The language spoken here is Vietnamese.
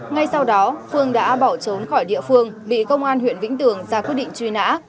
ngay sau đó phương đã bỏ trốn khỏi địa phương bị công an huyện vĩnh tường ra quyết định truy nã